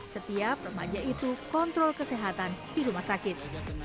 setiap remaja itu kontrol kesehatan di rumah sakit